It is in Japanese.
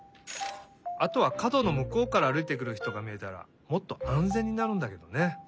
あとはかどのむこうからあるいてくるひとがみえたらもっとあんぜんになるんだけどね。